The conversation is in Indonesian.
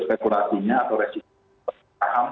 spekulasinya atau resiko saham atau resiko benang